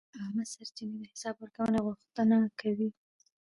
عامه سرچینې د حساب ورکونې غوښتنه کوي.